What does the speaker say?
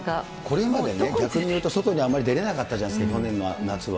これまでに、逆にいうと、外に出れなかったじゃないですか、去年の夏は。